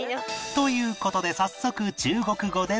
という事で早速中国語での注文